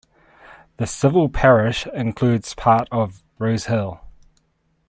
The civil parish includes part of Rose Hill.